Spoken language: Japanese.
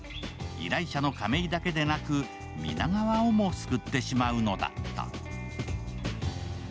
依頼者の亀井だけでなく皆川をも救ってしまうのだった。